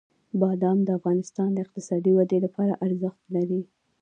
بادام د افغانستان د اقتصادي ودې لپاره ارزښت لري.